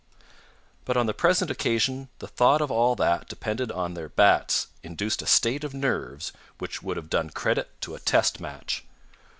But on the present occasion the thought of all that depended on their bats induced a state of nerves which would have done credit to a test match.